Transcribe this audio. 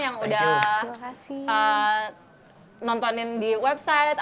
yang udah nontonin di website